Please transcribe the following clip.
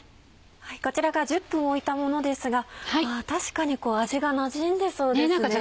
こちらが１０分置いたものですが確かに味がなじんでそうですね。